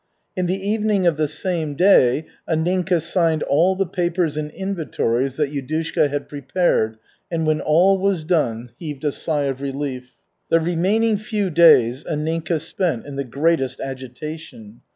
In the evening of the same day Anninka signed all the papers and inventories that Yudushka had prepared and when all was done, heaved a sigh of relief. The remaining few days Anninka spent in the greatest agitation.